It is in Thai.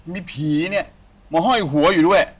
มีผีเนี่ยมาห้อยหัวอยู่ด้วย